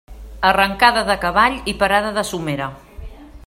Arrancada de cavall i parada de somera.